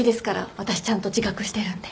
私ちゃんと自覚してるんで。